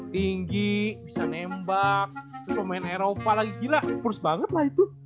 tinggi bisa nembak terus pemain eropa lagi gila purs banget lah itu